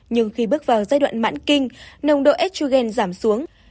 nhưng khi bước vào giai đoạn mãn kinh nồng độ jugen giảm xuống